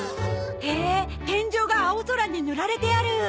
へえ天井が青空に塗られてある。